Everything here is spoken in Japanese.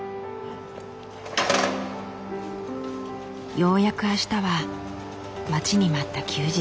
ようやく明日は待ちに待った休日。